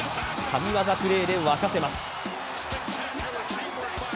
神業プレーで沸かせます。